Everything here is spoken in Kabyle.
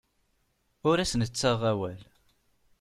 Ur asen-ttaɣeɣ awal.